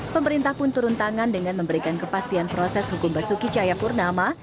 pemerintah pun turun tangan dengan memberikan kepastian proses hukum basuki cahayapurnama